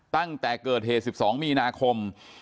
ตั้งแต่เกิดเหตุสิบสองมีนาคม